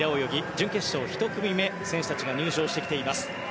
準決勝１組目選手たちが入場してきています。